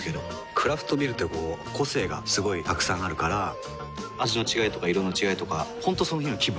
クラフトビールってこう個性がすごいたくさんあるから味の違いとか色の違いとか本当その日の気分。